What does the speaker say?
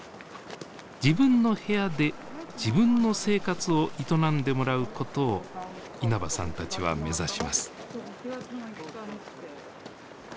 自分の部屋で自分の生活を営んでもらうことを稲葉さんたちは目指します。